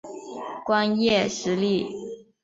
光叶石栎